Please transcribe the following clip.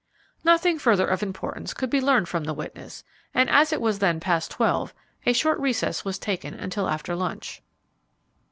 Nothing further of importance could be learned from the witness, and, as it was then past twelve, a short recess was taken until after lunch.